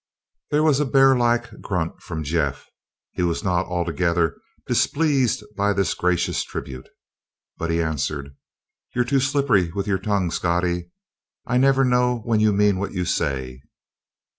There was a bearlike grunt from Jeff. He was not altogether displeased by this gracious tribute. But he answered: "You're too slippery with your tongue, Scottie. I never know when you mean what you say!"